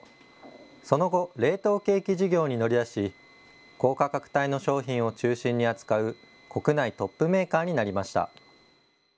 その後、冷凍ケーキ事業に乗り出し高価格帯の商品を中心に扱う国内トップメーカーになりました。